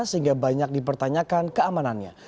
sehingga banyak dipertanyakan keamanannya